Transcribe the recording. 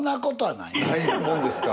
ないもんですか。